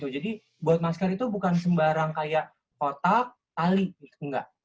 jadi buat masker itu bukan sembarang kayak kotak tali gitu enggak